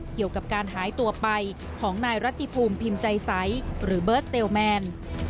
เกี่ยวกับการหายตัวไปของนายรัติภูมิพิมพ์ใจใสหรือเบิร์ตเตลแมน